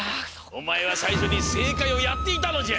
おまえはさいしょにせいかいをやっていたのじゃ。